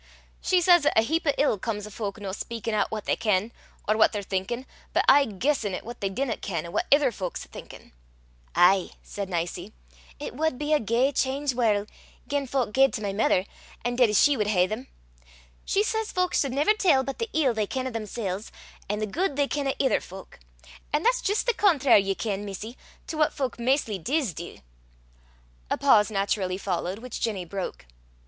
She says 'at a heap o' ill comes o' fowk no speykin' oot what they ken, or what they're thinkin', but aye guissin' at what they dinna ken, an' what ither fowk's thinkin'." "Ay!" said Nicie, "it wad be a gey cheenged warl' gien fowk gaed to my mither, an' did as she wad hae them. She says fowk sud never tell but the ill they ken o' themsel's, an' the guid they ken o' ither fowk; an' that's jist the contrar', ye ken, missie, to what fowk maist dis dee." A pause naturally followed, which Ginny broke.